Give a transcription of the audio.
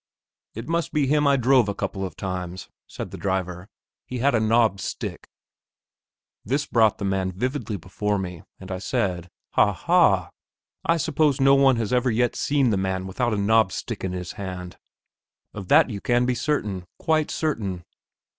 "It must be him I drove a couple of times," said the driver; "he had a knobbed stick." This brought the man vividly before me, and I said, "Ha, ha! I suppose no one has ever yet seen the man without a knobbed stick in his hand, of that you can be certain, quite certain."